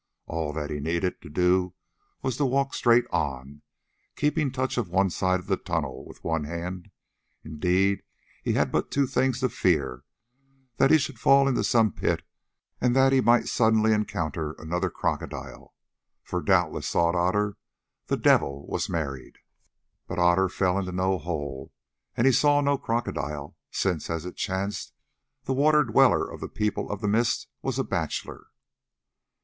All that he needed to do was to walk straight on, keeping touch of one side of the tunnel with one hand. Indeed he had but two things to fear, that he should fall into some pit and that he might suddenly encounter another crocodile, "for doubtless," thought Otter, "the devil was married." But Otter fell into no hole and he saw no crocodile, since, as it chanced, the Water Dweller of the People of the Mist was a bachelor.